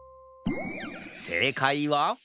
せいかいは？